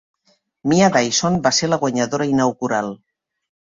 Mia Dyson va ser la guanyadora inaugural.